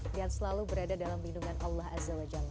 dan selalu berada dalam bindungan allah azza wa jalla